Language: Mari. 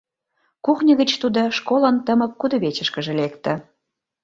Кухньо гыч тудо школын тымык кудывечышкыже лекте.